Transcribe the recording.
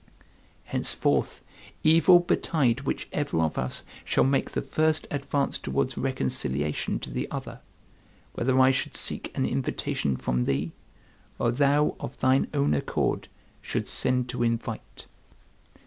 Henceforth, evil betide whichever of us shall make the first advance towards reconciliation to the other, whether I should seek an invitation from thee, or thou of thine own accord should send to invite."